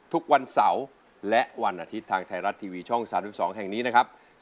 ทุกวันเสาร์และวันอาทิตย์ทางไทยรัฐทีวีช่อง๓๒แห่งนี้นะครับ